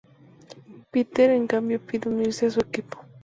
Peter en cambio pide unirse a su equipo.